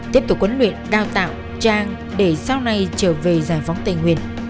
tiếp tục huấn luyện đào tạo trang để sau này trở về giải phóng tây nguyên